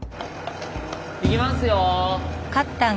いきますよ！